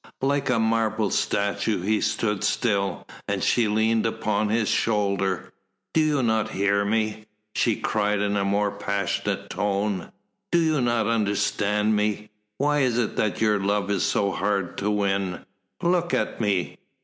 Like a marble statue he stood still, and she leaned upon his shoulder. "Do you not hear me?" she cried in a more passionate tone. "Do you not understand me? Why is it that your love is so hard to win? Look at me!